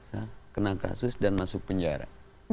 saya kena kasus dan masuk penjara